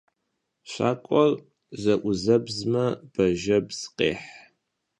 Şak'uer ze'uzebzme, bajjebz khêh.